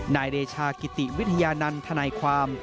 นายเดชากิติวิทยานันต์ทนายความ